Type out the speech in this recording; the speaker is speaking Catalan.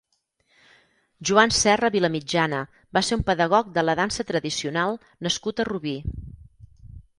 Joan Serra Vilamitjana va ser un pedagog de la dansa tradicional nascut a Rubí.